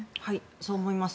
そう思います。